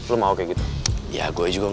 lo mau kayak gitu